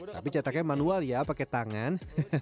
tapi cetaknya manual ya pakai tangan